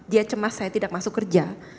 dia cemas saya tidak masuk kerja